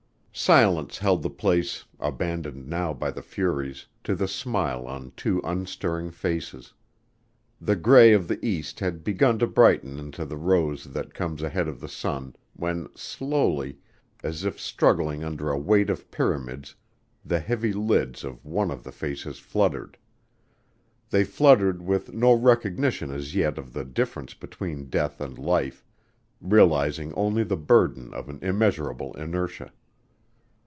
Silence held the place, abandoned now by the furies, to the smile on two unstirring faces. The gray of the east had begun to brighten into the rose that comes ahead of the sun, when slowly, as if struggling under a weight of pyramids the heavy lids of one of the faces fluttered. They fluttered with no recognition as yet of the difference between death and life, realizing only the burden of an immeasurable inertia.